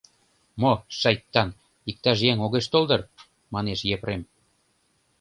— Мо, шайтан, иктаж еҥ огеш тол дыр, — манеш Епрем.